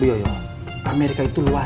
bu yoyo amerika itu luas